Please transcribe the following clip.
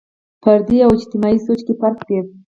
فردي او اجتماعي سوچ کې فرق وي.